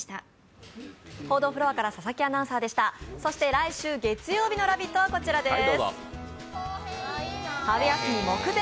そして来週月曜日の「ラヴィット！」はこちらです。